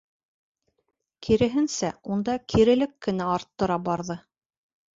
Киреһенсә, унда кирелек кенә арттыра барҙы.